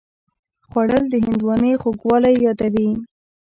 خوړل د هندوانې خوږوالی یادوي